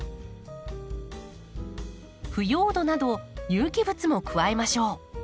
腐葉土など有機物も加えましょう。